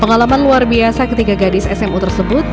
pengalaman luar biasa ketiga gadis smu tersebut